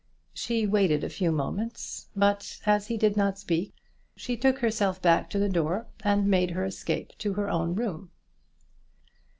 She waited a few moments, but as he did not speak, she took herself back to the door and made her escape to her own room.